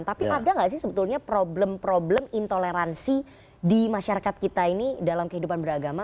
tapi ada nggak sih sebetulnya problem problem intoleransi di masyarakat kita ini dalam kehidupan beragama